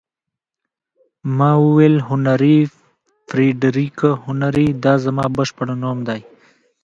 ما وویل: هنري، فرېډریک هنري، دا زما بشپړ نوم دی.